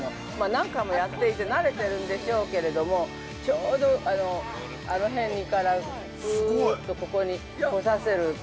何回もやっていて、なれているんでしょうけれども、ちょうど、あの辺から、スーっと、ここに、来させる。